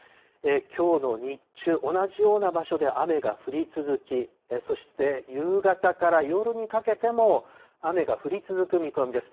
きょうの日中、同じような場所で雨が降り続き、そして夕方から夜にかけても、雨が降り続く見込みです。